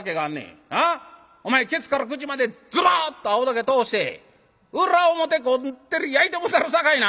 お前ケツから口までズボッと青竹通して裏表こってり焼いてもうたるさかいな」。